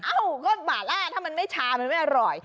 เอ้าก็หมาล่าถ้ามันไม่ชามันไม่อร่อย